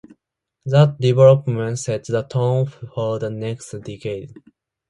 That deployment set the tone for the next decade.